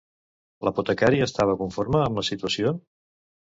L'apotecari estava conforme amb la situació?